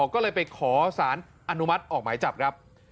ก็เลยไปขอสารอนุมัติออกหมายจับครับ